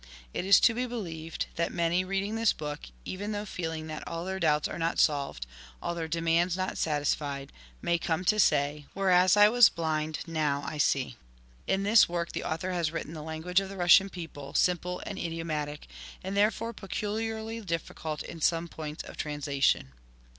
It is to be believed that many, reading this book, even though feeling that all their doubts are not solved, all their demands not satisfied, may come to say, " Whereas I was blind, now I see." In this work the Author has written the lan guage of the Russian people, simple and idiomatic, and therefore peculiarly difficult in some points of translation.